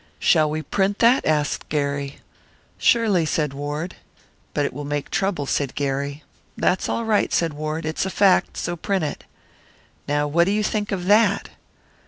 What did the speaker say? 'Shall we print that?' asked Gary. 'Surely,' said Ward. 'But it will make trouble,' said Gary. 'That's all right,' said Ward. 'It's a fact. So print it.' Now what do you think of that?"